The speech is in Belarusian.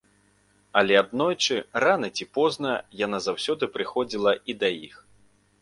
Але аднойчы, рана ці позна, яна заўсёды прыходзіла і да іх.